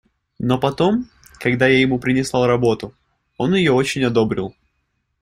Но потом, когда я ему принесла работу, он ее очень одобрил.